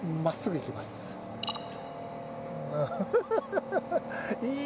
いい。